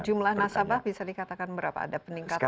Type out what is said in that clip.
jumlah nasabah bisa dikatakan berapa ada peningkatan atau apa